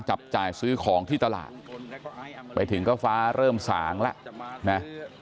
จับจ่ายซื้อของที่ตลาดไปถึงก็ฟ้าเริ่มสางแล้วนะ